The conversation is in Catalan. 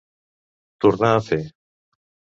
Tornar a fer.